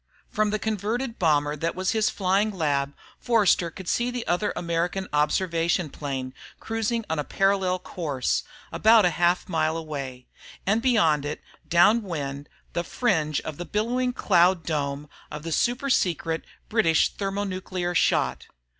From the converted bomber that was his flying lab, Forster could see the other American observation plane cruising on a parallel course, about half a mile away, and beyond it downwind the fringe of the billowing cloud dome of the super secret British thermonuclear shot.